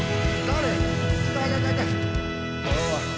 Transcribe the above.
誰。